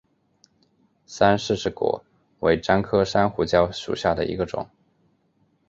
山柿子果为樟科山胡椒属下的一个种。